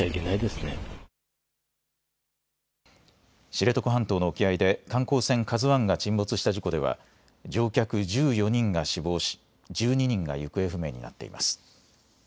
知床半島の沖合で観光船ＫＡＺＵＩが沈没した事故では乗客１４人が死亡し１２人が行方不明になっています。